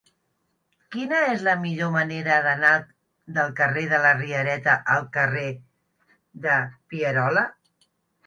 Quina és la millor manera d'anar del carrer de la Riereta al carrer de Pierola?